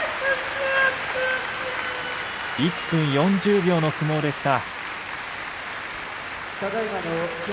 １分４０秒の相撲でした。